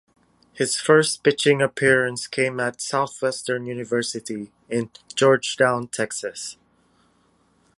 His first pitching appearance came at Southwestern University in Georgetown, Texas.